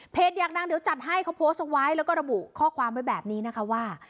อยากดังเดี๋ยวจัดให้เขาโพสต์เอาไว้แล้วก็ระบุข้อความไว้แบบนี้นะคะว่า